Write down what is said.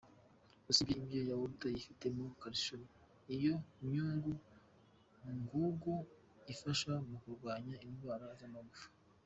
usibye ibyo yahourt yifitemo calcium, iyo myungu ngugu ifasha mu kurwanya indwara z’amagufa.